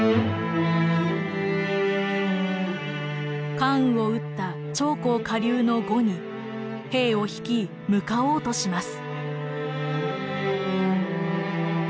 関羽を討った長江下流の呉に兵を率い向かおうとします。